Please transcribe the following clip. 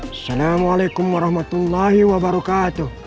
assalamualaikum warahmatullahi wabarakatuh